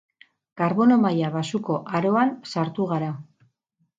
Karbono maila baxuko aroan sartu gara.